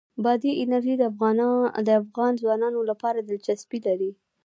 بادي انرژي د افغان ځوانانو لپاره دلچسپي لري.